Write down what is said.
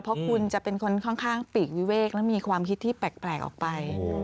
เพราะคุณจะเป็นคนค่อนข้างปีกวิเวกและมีความคิดที่แปลกออกไป